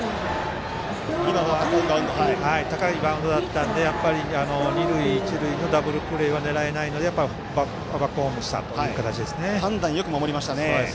高いバウンドだったので二塁、一塁のダブルプレーは狙えないのでやっぱりバックホームした判断よく守りましたね。